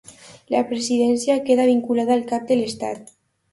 La Presidència queda vinculada al Cap de l'Estat.